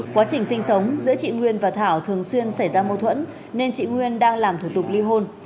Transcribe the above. quá trình sinh sống giữa chị nguyên và thảo thường xuyên xảy ra mâu thuẫn nên chị nguyên đang làm thủ tục ly hôn